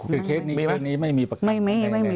คือเคสนี้ไม่มีประกัน